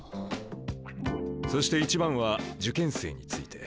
そして一番は受験生について。